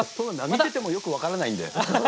見ててもよく分からないんで。